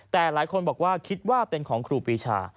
แต่หลายคนบอกว่าคิดว่าเป็นของครูปีชา